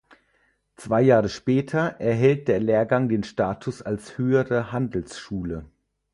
Zwei Jahre später erhält der Lehrgang den Status als Höhere Handelsschule.